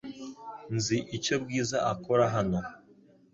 Nzi icyo Bwiza akora hano .